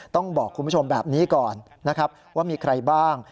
ต้องบอกคุณผู้ชมแบบนี้ก่อนนะครับว่ามีใครบ้าง